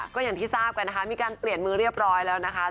ก็อย่างที่ทราบกันนะคะมีการเปลี่ยนมือเรียบร้อยแล้วนะคะ